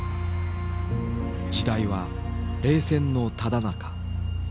時代は冷戦のただなか。